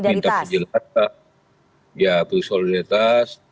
ini bentuk solidaritas